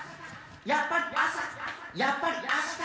やっぱり朝やっぱりあした。